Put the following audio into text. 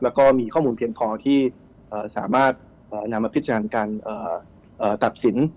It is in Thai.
แล้วก็มีข้อมูลเพียงพอที่สามารถนำมาพิจารณาการตัดสิน